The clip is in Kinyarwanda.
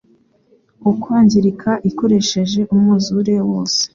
ukwangirika ikoresheje umwuzure wose